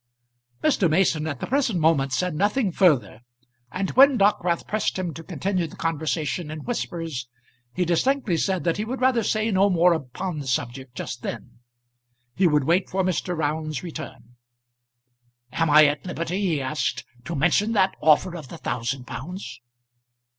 Mr. Mason at the present moment said nothing further, and when Dockwrath pressed him to continue the conversation in whispers, he distinctly said that he would rather say no more upon the subject just then. He would wait for Mr. Round's return. "Am I at liberty," he asked, "to mention that offer of the thousand pounds?"